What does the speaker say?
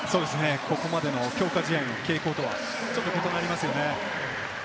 ここまでの強化試合の傾向とはちょっと異なりますよね。